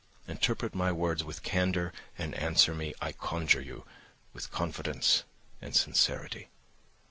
Interpret my words with candour and answer me, I conjure you, with confidence and sincerity."